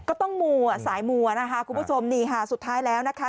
ก็ต้องมัวสายมัวนะคะคุณผู้ชมนี่ค่ะสุดท้ายแล้วนะคะ